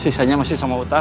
sisanya masih sama utar